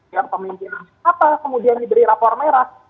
yang pemimpin apa kemudian diberi rapor merah